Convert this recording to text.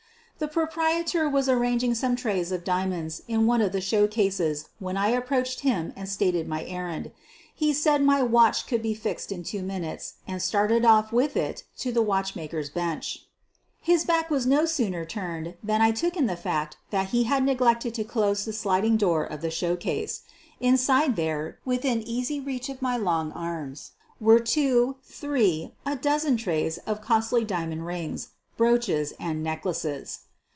The proprietor was arranging some trays of dia monds in one of the showcases when I approached him and stated my errand. He said my watch could be fixed in two minutes, and started off with it to the watchmaker's bench. His back was no sooner turned than I took in the fact that he had neglected to close the sliding door of the showcase. Inside there, within easy reach of my long arms, were two, three, a dozen trays of costly diamond rings, brooches, and necklaces.